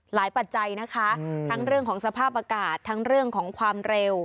ปัจจัยนะคะทั้งเรื่องของสภาพอากาศทั้งเรื่องของความเร็ว